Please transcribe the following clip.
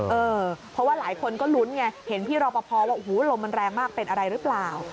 เพราะว่าหลายคนก็ลุ้นไงเห็นพี่รอปภว่าโอ้โหลมมันแรงมากเป็นอะไรหรือเปล่า